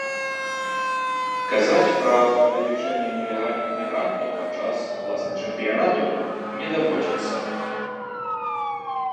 Казаць пра павелічэнне нелегальных мігрантаў падчас уласна чэмпіянату не даводзіцца.